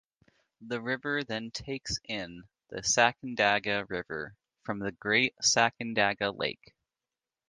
The river then takes in the Sacandaga River from the Great Sacandaga Lake.